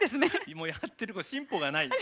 もうやってること進歩がない。